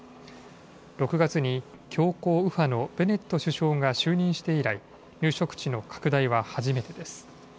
６月に強硬右派のベネット首相が就任して以来、入植地の拡大は初めてです。